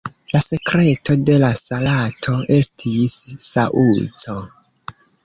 La sekreto de la salato estis saŭco.